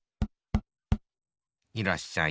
いらっしゃい。